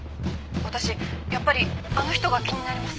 「私やっぱりあの人が気になります」